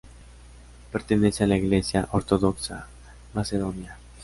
Pertenece a la Iglesia ortodoxa macedonia.